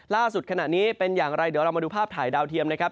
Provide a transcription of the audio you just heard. ขณะนี้เป็นอย่างไรเดี๋ยวเรามาดูภาพถ่ายดาวเทียมนะครับ